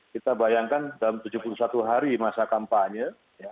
kita bayangkan dalam tujuh puluh satu hari masa kampanye